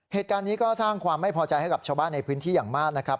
เหตุการณ์นี้ก็สร้างความไม่พอใจให้กับชาวบ้านในพื้นที่อย่างมากนะครับ